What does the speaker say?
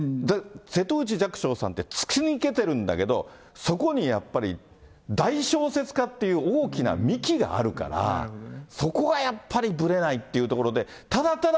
瀬戸内寂聴さんって突き抜けてるんだけど、そこにやっぱり、大小説家っていう大きな幹があるから、そこがやっぱり、ぶれないっていうところで、ただただ、